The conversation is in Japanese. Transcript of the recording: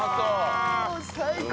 最高！